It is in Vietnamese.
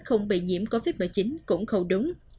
không bị nhiễm covid một mươi chín cũng không đúng